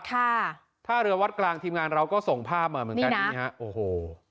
ท่าเรือวัดกลางทีมงานเราก็ส่งภาพมาเหมือนกันนี่ฮะโอ้โห